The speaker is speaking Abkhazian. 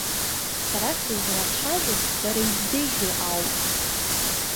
Сара сызлацәажәо бара ибзеиӷьу ауп.